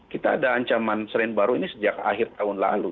kita ada ancaman strain baru ini sejak akhir tahun lalu